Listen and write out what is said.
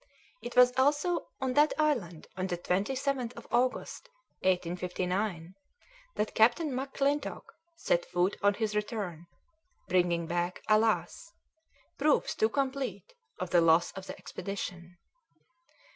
It was also on that island on the 27th of August, 1859, that Captain McClintock set foot on his return, bringing back, alas! proofs too complete of the loss of the expedition.